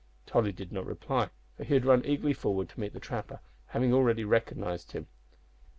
Tolly did not reply, for he had run eagerly forward to meet the trapper, having already recognised him.